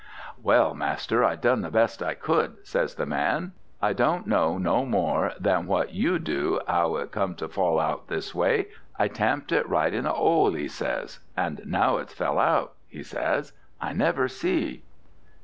'Well, master, I done the best I could,' says the man; 'I don't know no more than what you do 'ow it come to fall out this way. I tamped it right in the 'ole,' he says, 'and now it's fell out,' he says, 'I never see.'